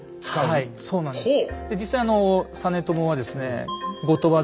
はいそうなんです。